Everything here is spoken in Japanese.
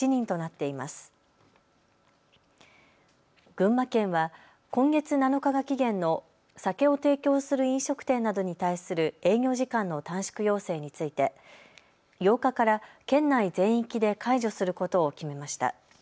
群馬県は今月７日が期限の酒を提供する飲食店などに対する営業時間の短縮要請について８日から県内全域で解除することを決めました。